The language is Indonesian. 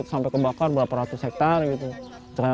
sampai kebakar berapa ratus hektare gitu